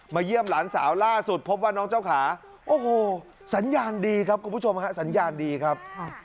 เยี่ยมหลานสาวล่าสุดพบว่าน้องเจ้าขาโอ้โหสัญญาณดีครับคุณผู้ชมฮะสัญญาณดีครับ